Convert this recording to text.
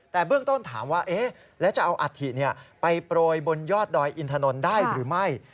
แต่เบื้องต้นถามว่าแล้วจะเอาอัฐิไปโปรยบนยอดดอยอินถนนได้หรือไม่